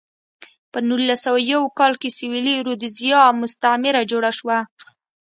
په نولس سوه یو کال کې سویلي رودزیا مستعمره جوړه شوه.